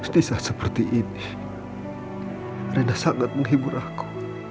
di saat seperti ini reina sangat menghibur aku